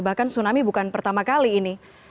bahkan tsunami bukan pertama kali ini